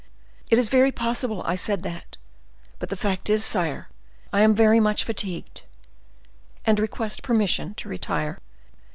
It is very possible I said that; but the fact is, sire, I am very much fatigued, an request permission to retire."